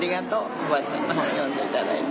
おばあちゃんの本読んでいただいて。